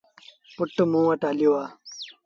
پُٽ موݩ وٽ هليو آ۔